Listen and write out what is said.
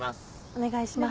お願いします。